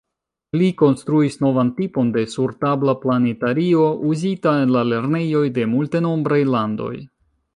Li konstruis novan tipon de sur-tabla planetario uzita en la lernejoj de multenombraj landoj.